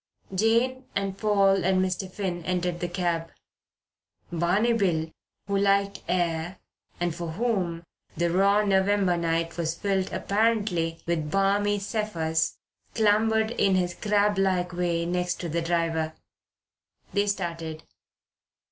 Jane and Paul and Mr. Finn entered the cab. Barney Bill, who liked air and for whom the raw November night was filled apparently with balmy zephyrs, clambered in his crablike way next the driver. They started.